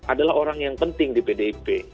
adalah orang yang penting di pdip